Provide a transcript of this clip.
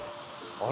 あれ？